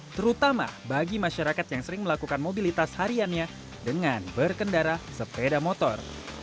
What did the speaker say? terutama bagi masyarakat yang sering melakukan mobilitas hariannya dengan berkendara sepeda motor